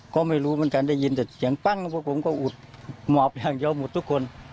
ก็ไม่รู้เหมือนกันได้ยินแต่เสียงปั้งพวกผมก็อุดหมอบอย่างเดียวหมดทุกคน